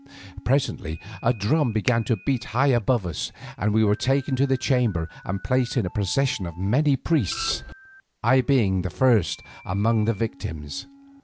Presently a drum began to beat high above us, and we were taken from the chamber and placed in a procession of many priests, I being the first among the victims.